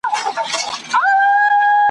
خو هېر کړی هر یوه وروستی ساعت وي ,